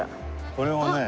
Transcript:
これをね